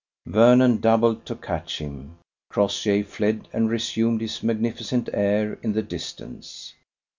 Vernon doubled to catch him. Crossjay fled and resumed his magnificent air in the distance.